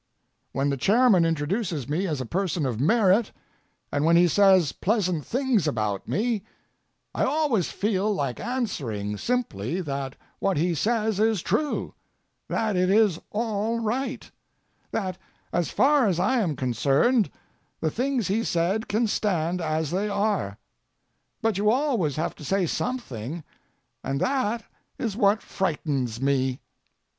When the chairman introduces me as a person of merit, and when he says pleasant things about me, I always feel like answering simply that what he says is true; that it is all right; that, as far as I am concerned, the things he said can stand as they are. But you always have to say something, and that is what frightens me.